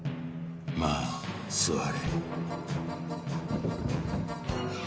まあ座れ。